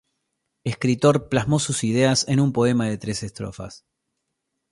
El escritor plasmó sus ideas en un poema de tres estrofas.